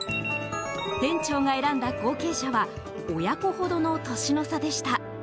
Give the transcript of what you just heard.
店長が選んだ後継者は親子ほどの年の差でした。